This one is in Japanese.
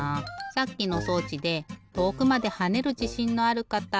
さっきの装置で遠くまで跳ねるじしんのあるかた。